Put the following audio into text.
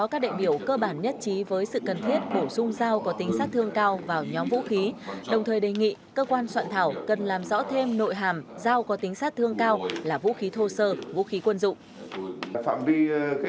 các đại biểu cơ bản nhất trí với sự cần thiết bổ sung dao có tính sát thương cao vào nhóm vũ khí đồng thời đề nghị cơ quan soạn thảo cần làm rõ thêm nội hàm dao có tính sát thương cao là vũ khí thô sơ vũ khí quân dụng